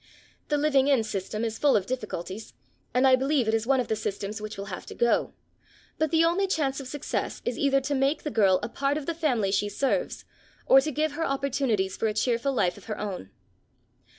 The living in system is full of difficulties, and I believe it is one of the systems which will have to go; but the only chance of success is either to make the girl a part of the family she serves, or to give her opportunities for a cheerful life of her own.